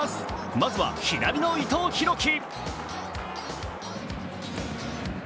まずは左の伊藤洋輝。